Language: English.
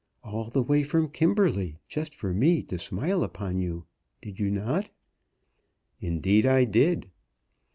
All the way from Kimberley, just for me to smile upon you! Did you not?" "Indeed I did."